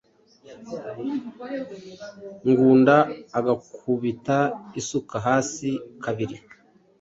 Ngunda agakubita isuka hasi kabiri